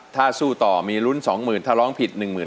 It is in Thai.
ถ้าสู้ต่อมีลุ้นสองหมื่นถ้าร้องผิดหนึ่งหมื่น